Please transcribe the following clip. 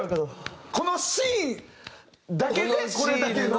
このシーンだけでこれだけの。